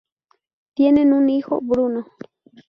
Tienen un hijo, Bruno.